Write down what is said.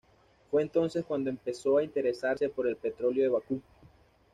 Fue entonces cuando empezó a interesarse por el petróleo de Bakú.